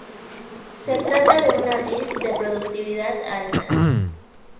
Se trata de una vid de productividad alta.